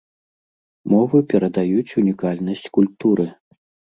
Мовы перадаюць унікальнасць культуры.